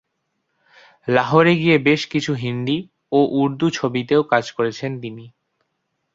লাহোরে গিয়ে বেশ কিছু হিন্দি ও উর্দু ছবিতেও কাজ করেছেন তিনি।